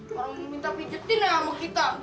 orang minta pijetin ya sama kita